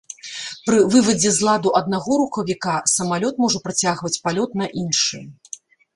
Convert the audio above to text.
Пры вывадзе з ладу аднаго рухавіка самалёт можа працягваць палёт на іншым.